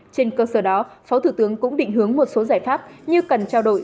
trên cơ sở đó phó thủ tướng cũng định hướng một số giải pháp như cần trao đổi